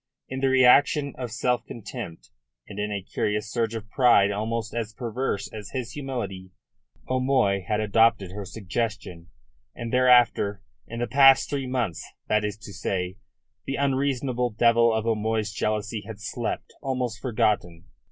In the reaction of self contempt, and in a curious surge of pride almost as perverse as his humility, O'Moy had adopted her suggestion, and thereafter in the past three months, that is to say the unreasonable devil of O'Moy's jealousy had slept, almost forgotten.